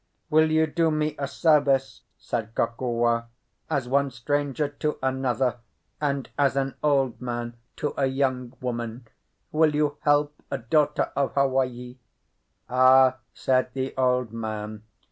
"Will you do me a service?" said Kokua. "As one stranger to another, and as an old man to a young woman, will you help a daughter of Hawaii?" "Ah," said the old man.